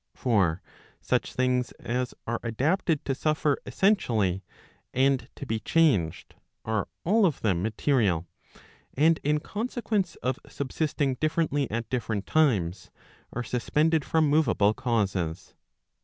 For such things as are adapted to suffer essentially, and to be changed, are all of them material, and in consequence of subsisting differently at different times, are suspended from moveable causes.